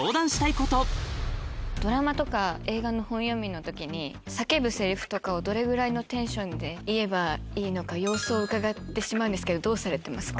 まずは叫ぶセリフとかをどれぐらいのテンションで言えばいいのか様子をうかがってしまうんですけどどうされてますか？